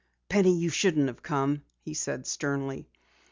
"Penny, you shouldn't have come," he said sternly.